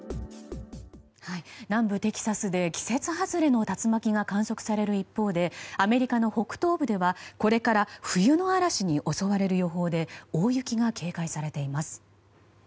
南部テキサスで季節外れの竜巻が観測される一方でアメリカの北東部ではこれから冬の嵐に襲われる予報で大雪が警戒されています。